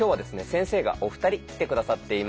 先生がお二人来て下さっています。